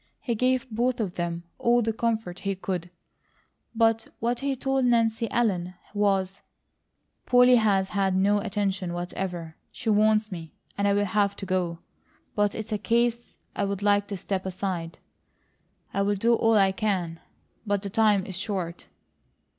He gave both of them all the comfort he could, but what he told Nancy Ellen was: "Polly has had no attention whatever. She wants me, and I'll have to go; but it's a case I'd like to side step. I'll do all I can, but the time is short."